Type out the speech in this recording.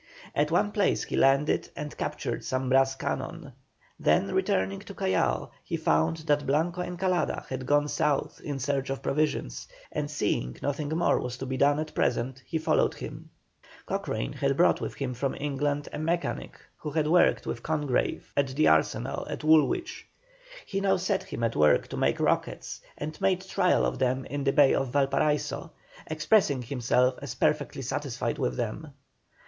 At one place he landed and captured some brass cannon; then returning to Callao he found that Blanco Encalada had gone south in search of provisions, and seeing nothing more was to be done at present, he followed him. Cochrane had brought with him from England a mechanic who had worked with Congreve at the Arsenal at Woolwich. He now set him at work to make rockets, and made trial of them in the bay of Valparaiso, expressing himself as perfectly satisfied with them.